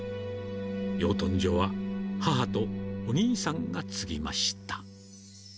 養豚場は母とお兄さんが継ぎました。